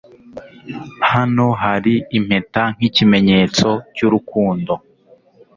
Hano hari impeta nkikimenyetso cyurukundo